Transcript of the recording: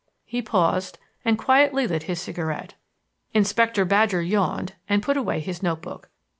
He paused and quietly lit his cigarette. Inspector Badger yawned and put away his notebook.